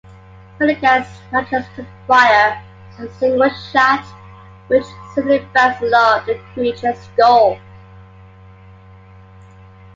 Pendergast manages to fire a single shot, which simply bounces off the creature's skull.